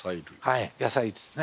はい野菜ですね。